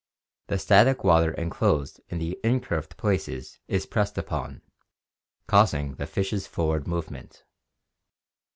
The static water enclosed in the incurved places is pressed upon, causing the fish's forward movement.